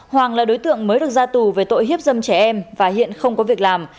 hoàng là đối tượng mới được ra tù về tội hiếp dâm trẻ em và hiện không có việc làm